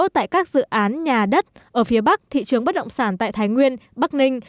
tại các dự án nhà đất ở phía bắc thị trường bất động sản tại thái nguyên bắc ninh